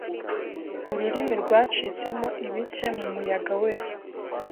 Ururimi rwacitsemo ibice mu muyaga we